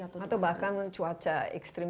atau bahkan cuaca ekstrim